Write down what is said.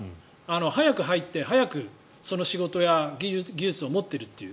早く入って早くその仕事や技術を持っているという。